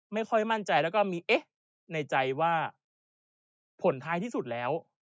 ไม่ค่อยมั่นใจแล้วก็มีเอ๊ะในใจว่าผลท้ายที่สุดแล้ว